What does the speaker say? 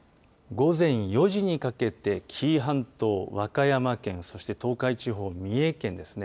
午前４時にかけて紀伊半島和歌山県そして東海地方の三重県ですね。